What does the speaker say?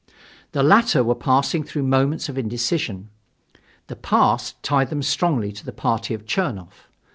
The latter were passing through moments of indecision. The past tied them strongly to the party of Chernoff.